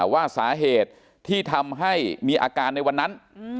ว่าสาเหตุที่ทำให้มีอาการในวันนั้น